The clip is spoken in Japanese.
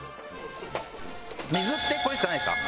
水ってこれしかないですか？